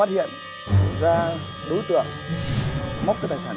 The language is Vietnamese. các đối tượng